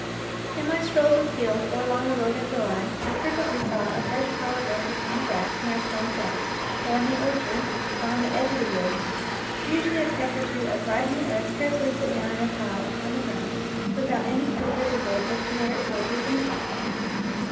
In my strolls afield or along the road in July I frequently saw a fresh pile of earth upon the grass near a stone fence, or in the orchard, or on the edge of the woods usually a peck or two of bright, new earth carefully put down in a pile upon the ground without any clue visible as to where it prob ably came from.